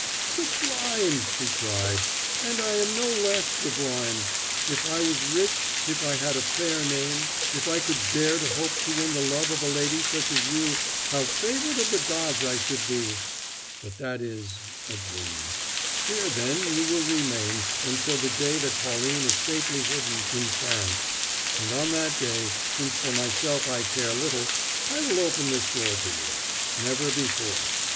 "Sublime!" he cried "and I am no less sublime. If I was rich, if I had a fair name, and if I could dare to hope to win the love of a lady such as you, how favored of the gods I should be! But that is a dream. Here, then, you will remain, until the day that Pauline is safely hidden in France: and on that day since for myself I care little I will open this door to you: never before.